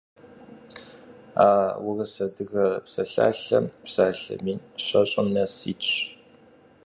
А «Урыс-адыгэ псалъалъэм» псалъэ мин щэщӏым нэс итщ.